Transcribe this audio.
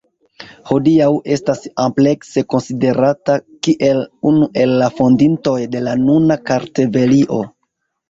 Hodiaŭ estas amplekse konsiderata kiel unu el la fondintoj de la nuna Kartvelio.